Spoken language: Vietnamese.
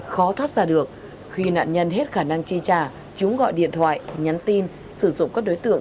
khó thoát ra được khi nạn nhân hết khả năng chi trả chúng gọi điện thoại nhắn tin sử dụng các đối tượng